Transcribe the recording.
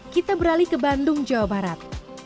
kita beralih ke bandung jawa barat